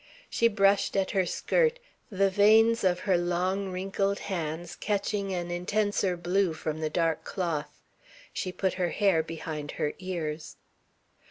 She brushed at her skirt, the veins of her long, wrinkled hands catching an intenser blue from the dark cloth. She put her hair behind her ears.